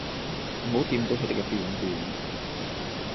唔好掂到佢哋嘅便便